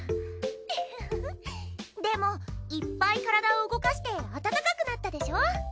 フフフでもいっぱい体を動かして暖かくなったでしょ？